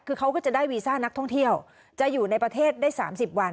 คือเขาก็จะได้วีซ่านักท่องเที่ยวจะอยู่ในประเทศได้๓๐วัน